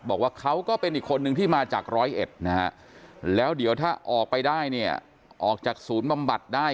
บอกว่าเขาก็เป็นอีกคนนึงที่มาจากร้อยเอ็ดนะฮะแล้วเดี๋ยวถ้าออกไปได้เนี่ยออกจากศูนย์บำบัดได้